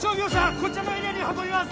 こちらのエリアに運びます